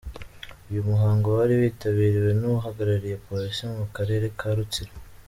Uyu muhango wari witabiriwe n'uhagarariye police mu karere ka Rutsiro.